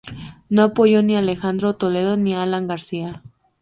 No apoyó ni a Alejandro Toledo ni a Alan García.